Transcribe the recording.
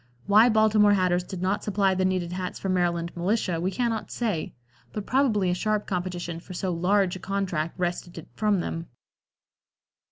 Why Baltimore hatters did not supply the needed hats for Maryland militia we cannot say, but probably a sharp competition for so large a contract wrested it from them.